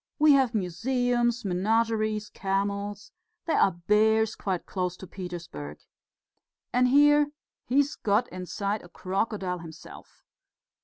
We have museums, menageries, camels. There are bears quite close to Petersburg! And here he's got inside a crocodile himself...."